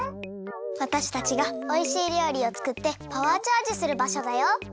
わたしたちがおいしいりょうりをつくってパワーチャージするばしょだよ。